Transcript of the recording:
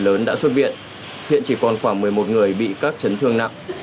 lớn đã xuất viện hiện chỉ còn khoảng một mươi một người bị các chấn thương nặng